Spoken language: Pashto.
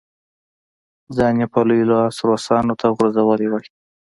ځان یې په لوی لاس روسانو ته غورځولی وای.